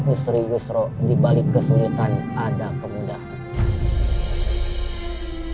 istri yusro dibalik kesulitan ada kemudahan